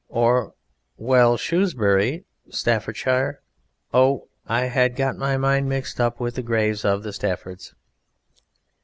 Or, "Well, Shrewsbury ... Staffordshire?... Oh! I had got my mind mixed up with the graves of the Staffords."